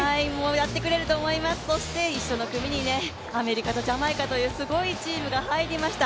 やってくれると思います、そして一緒の組にアメリカとジャマイカというすごいチームが入りました。